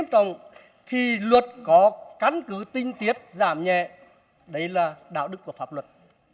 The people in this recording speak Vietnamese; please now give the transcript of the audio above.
tôi tin tiếp giảm nhẹ đấy là đạo đức của pháp luật